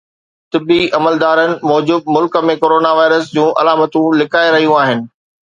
طبي عملدارن موجب ملڪ ۾ ڪورونا وائرس جون علامتون لڪائي رهيون آهن